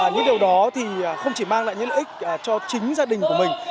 những điều đó thì không chỉ mang lại những lợi ích cho chính gia đình của mình